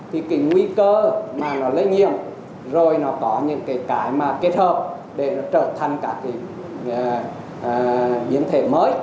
thì cái nguy cơ mà nó lây nhiệm rồi nó có những cái kết hợp để nó trở thành các biến thể mới